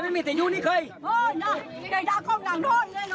เอาไปยอบนะ